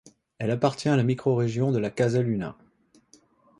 Elle appartient à la microrégio de la Casaluna.